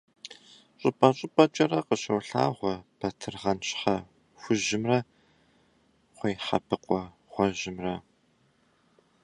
Щӏыпӏэ-щӏыпӏэкӏэрэ къыщолъагъуэ батыргъэн щхьэ хужьымрэ кхъуейхьэбыкъуэ гъуэжьымрэ.